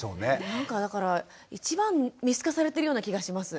なんかだから一番見透かされてるような気がします